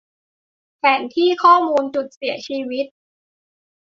แผนที่ ข้อมูลจุดเสียชีวิต